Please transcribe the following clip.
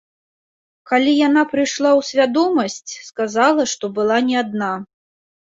Калі яна прыйшла ў свядомасць, сказала, што была не адна.